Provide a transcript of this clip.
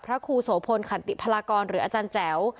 พระครูโสพลขันติพลากรหรืออาจารย์แจ๋ว